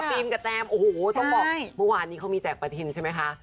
กับแจมโอ้โหต้องบอกเมื่อวานนี้เขามีแจกประทินใช่ไหมคะ